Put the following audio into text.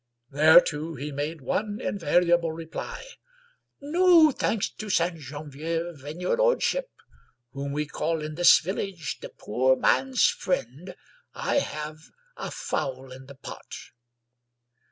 Thereto he had one invariable reply. " No ; thanks to Ste. Genevieve and your lordship, whom we call in this village the poor man's friend, I have a fowl in the pot."